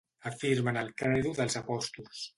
Afirmen el Credo dels Apòstols.